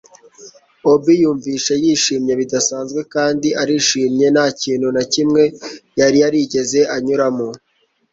obi yumvise yishimye bidasanzwe kandi arishimye. nta kintu na kimwe yari yarigeze anyuramo